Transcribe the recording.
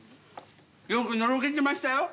よくのろけてましたよ。